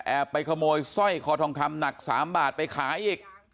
ไปขโมยสร้อยคอทองคำหนัก๓บาทไปขายอีก